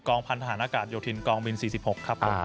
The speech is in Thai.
พันธหารอากาศโยธินกองบิน๔๖ครับผม